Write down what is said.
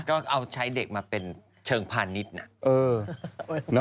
ก็เอาใช้เด็กมาเป็นเชิงพาณิชย์นะ